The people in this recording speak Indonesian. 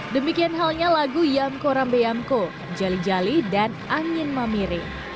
demikian halnya lagu yamko rambeamko jali jali dan angin mamire